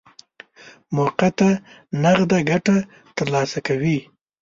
موقته نقده ګټه ترلاسه کوي.